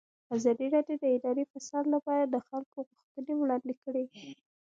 ازادي راډیو د اداري فساد لپاره د خلکو غوښتنې وړاندې کړي.